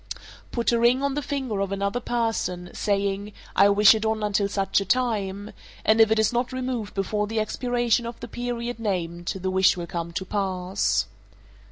Put a ring on the finger of another person, saying, "I wish it on until such a time," and if it is not removed before the expiration of the period named, the wish will come to pass.